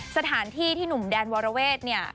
สถานที่ที่หนุ่มแดนวรเวทเนี่ย